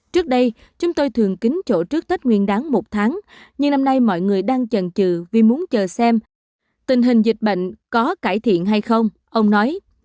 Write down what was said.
trước đây chúng tôi thường kính chỗ trước tết nguyên đáng một tháng nhưng năm nay mọi người đang chằn trừ vì muốn chờ xem tình hình dịch bệnh có cải thiện hay không ông nói